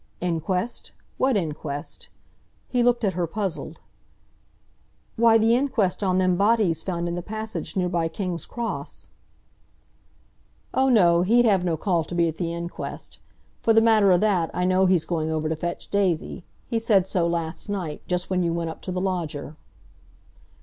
"Inquest? What inquest?" He looked at her puzzled. "Why, the inquest on them bodies found in the passage near by King's Cross." "Oh, no; he'd have no call to be at the inquest. For the matter o' that, I know he's going over to fetch Daisy. He said so last night—just when you went up to the lodger."